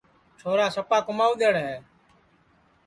چھورا سپا کمائدڑ ہے